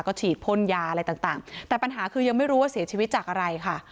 ก็ฉีดพ่นยาอะไรต่างแต่ปัญหาคือยังไม่รู้ว่าเสียชีวิตจากอะไรค่ะ